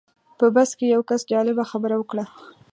په بس کې یو کس جالبه خبره وکړه.